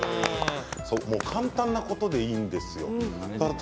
簡単なことでいいんですよ。